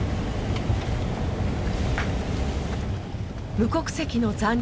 無国籍の残留